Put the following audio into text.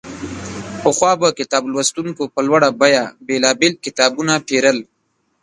پخوا به کتاب لوستونکو په لوړه بیه بېلابېل کتابونه پېرل.